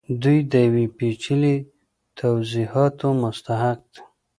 دوی د یو پیچلي توضیحاتو مستحق دي